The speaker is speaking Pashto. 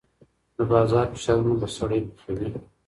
د بازار فشارونه به سړی پخوي.